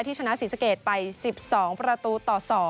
ชนะศรีสะเกดไป๑๒ประตูต่อ๒